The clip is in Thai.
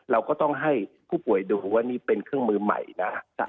เราก็ต้องให้ผู้ป่วยดูว่านี่เป็นเครื่องมือใหม่นะ